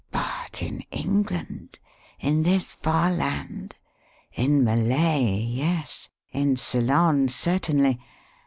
"But in England in this far land. In Malay, yes; in Ceylon, certainly.